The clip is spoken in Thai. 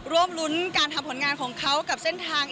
ร่วมรุ้นการทำผลงานของเขากับเส้นทาง